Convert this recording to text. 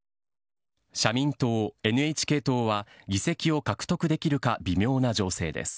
社民党、ＮＨＫ党は議席を獲得できるか微妙な情勢です。